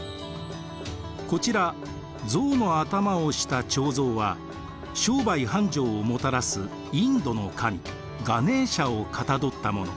こちら象の頭をした彫像は商売繁盛をもたらすインドの神ガネーシャをかたどったもの。